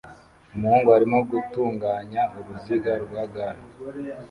Umuhungu arimo gutunganya uruziga rwa gare ye